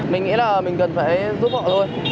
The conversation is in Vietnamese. mình nghĩ là mình cần phải giúp họ thôi